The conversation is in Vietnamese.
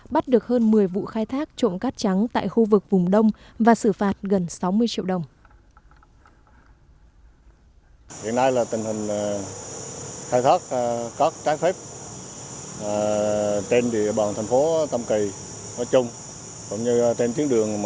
bắt được hơn một mươi vụ khai thác trộm cắt trắng tại khu vực vùng đông và xử phạt gần sáu mươi triệu đồng